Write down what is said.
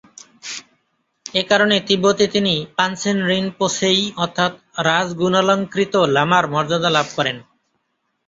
এ কারণে তিববতে তিনি ‘পাঞ্ছেনরিন্ পোছেই’ অর্থাৎ রাজগুণালঙ্কৃত লামার মর্যাদা লাভ করেন।